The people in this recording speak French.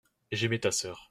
J’aimais ta sœur.